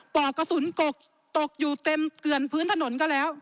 ปอกกระสุนกกตกอยู่เต็มเกลือนพื้นถนนก็แล้ว